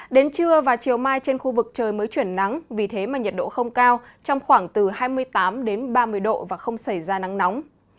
đến trưa và chiều mai trên khu vực trời mới chuyển nắng vì thế mà nhiệt độ không cao trong khoảng từ hai mươi tám đến ba mươi độ và không xảy ra nắng nóng